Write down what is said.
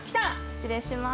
失礼します。